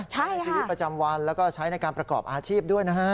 ใช้ชีวิตประจำวันแล้วก็ใช้ในการประกอบอาชีพด้วยนะฮะ